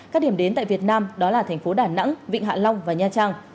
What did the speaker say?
các điểm đến tại việt nam đó là thành phố đà nẵng vịnh hạ long và nha trang